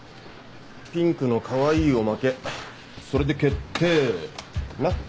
ピンクのかわいいおまけそれで決定なっ。